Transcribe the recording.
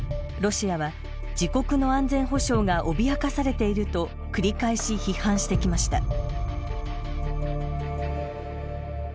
ロシアは自国の安全保障が脅かされていると繰り返し批判してきました。